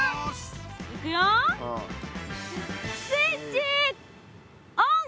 いくよスイッチオン！